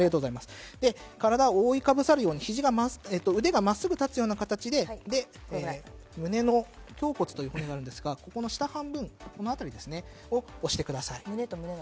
体を覆いかぶさるように腕がまっすぐ立つような形で胸の胸骨という部分、ここの下半分、このあたりを押してください。